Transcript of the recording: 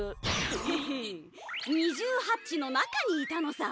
へへへ二重ハッチの中にいたのさ。